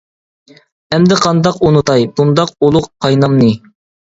ئەمدى قانداق ئۇنىتاي، بۇنداق ئۇلۇغ قاينامنى.